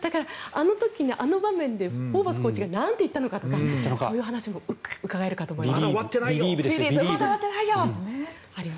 あの時あの場面でホーバス監督がなんて言ったのかとかそういう話も伺えるかと思います。